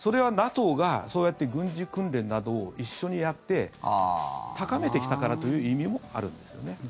それはＮＡＴＯが、そうやって軍事訓練などを一緒にやって高めてきたからという意味もあるんですよね。